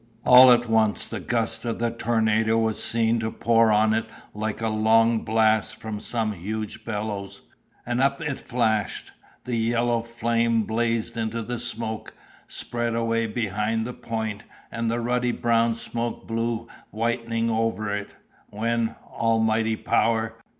"All at once the gust of the tornado was seen to pour on it like a long blast from some huge bellows, and up it flashed—the yellow flame blazed into the smoke, spread away behind the point, and the ruddy brown smoke blew whitening over it—when, almighty power!